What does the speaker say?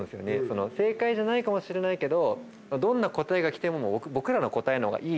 その正解じゃないかもしれないけどどんな答えがきても僕らの答えの方がいい。